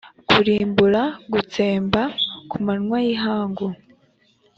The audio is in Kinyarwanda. kurimbura gutsemba ku manywa y ihangu